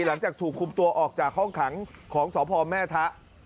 หลังจากถูกคุมตัวออกจากห้องขังของสพแม่ทะ